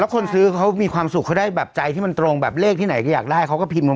คนซื้อเขามีความสุขเขาได้แบบใจที่มันตรงแบบเลขที่ไหนก็อยากได้เขาก็พิมพ์ลง